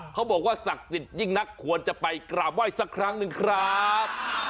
เขาบอกว่าศักดิ์สิทธิ์ยิ่งนักควรจะไปกราบไหว้สักครั้งหนึ่งครับ